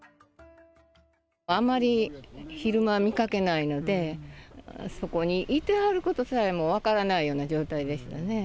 あんまり昼間見かけないので、そこにいてはることさえも分からないような状態でしたね。